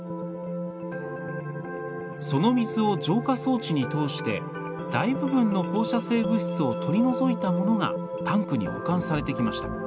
その水を浄化装置に通して大部分の放射性物質を取り除いたものがタンクに保管されてきました。